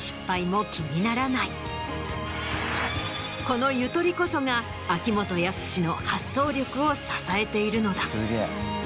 このゆとりこそが秋元康の発想力を支えているのだ。